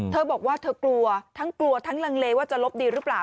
เธอบอกว่าเธอกลัวทั้งกลัวทั้งลังเลว่าจะลบดีหรือเปล่า